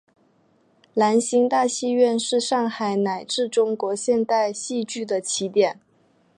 兰心大戏院是上海乃至中国现代戏剧的起点。